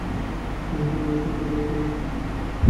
কেহ যেন আমাকে সমর্থন করিতে অগ্রসর না হয়।